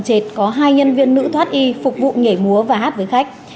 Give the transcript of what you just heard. có hai nhân viên nữ thoát y phục vụ nghề múa và hát với khách